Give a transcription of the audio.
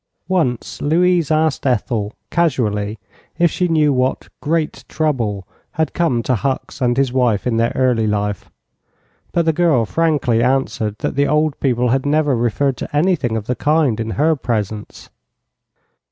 Once Louise asked Ethel, casually, if she knew what "great trouble" had come to Hucks and his wife in their early life, but the girl frankly answered that the old people had never referred to anything of the kind in her presence.